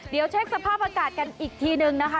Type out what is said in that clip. เดี๋ยวเช็คสภาพอากาศกันอีกทีนึงนะคะ